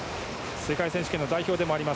世界選手権の代表でもあります